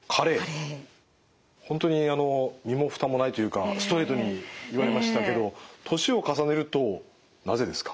本当に身もふたもないというかストレートに言われましたけど年を重ねるとなぜですか？